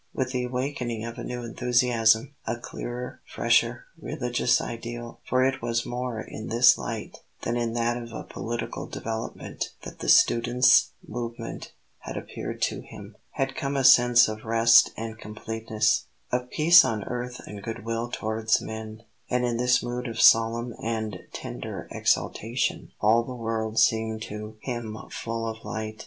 With the awakening of a new enthusiasm, a clearer, fresher religious ideal (for it was more in this light than in that of a political development that the students' movement had appeared to him), had come a sense of rest and completeness, of peace on earth and good will towards men; and in this mood of solemn and tender exaltation all the world seemed to him full of light.